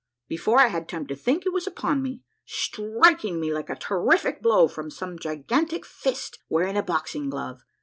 Before I had time to think, it was upon me, striking me like a terrific blow from some gigantic fist wearing a boxing glove.